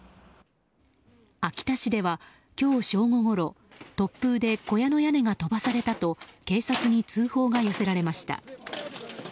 秋田市では、今日正午ごろ突風で小屋の屋根が飛ばされたと警察に通報が寄せられました。